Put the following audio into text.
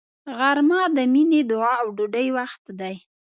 غرمه د مینې، دعا او ډوډۍ وخت دی